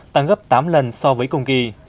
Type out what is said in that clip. tăng gấp tám lần so với cùng kỳ